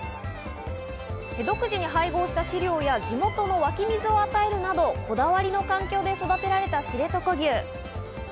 独自に配合した飼料や地元の湧き水を与えるなど、こだわりの環境で育てられた知床牛。